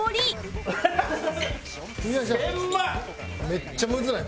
めっちゃむずない？